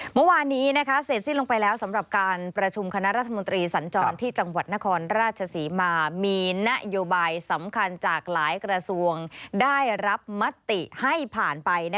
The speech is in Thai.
เมื่อวานนี้เสร็จสิ้นลงไปแล้วสำหรับการประชุมคณะรัฐมนตรีสัญจรที่จังหวัดนครราชศรีมามีนโยบายสำคัญจากหลายกระทรวงได้รับมติให้ผ่านไป